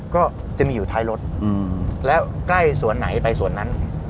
ก็จะมีอยู่ท้ายรถแล้วใกล้สวนไหนไปสวนนั้น